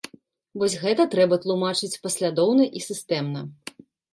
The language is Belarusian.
Вось гэта трэба тлумачыць, паслядоўна і сістэмна.